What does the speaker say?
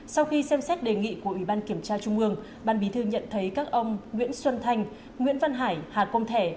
sau khi xem xét đề nghị của ủy ban kiểm tra trung ương ban bí thư nhận thấy các ông nguyễn xuân thanh nguyễn văn hải hà công thẻ